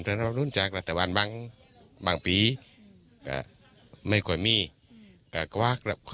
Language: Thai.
ทำรอบนู้นจากรัฐบาลบ้างบางปีอ่าไม่กว่ามีอืมอ่าก็ว่ากลับ